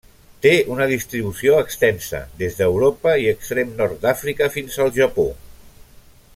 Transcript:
Té una distribució extensa: des d'Europa i extrem nord d'Àfrica fins al Japó.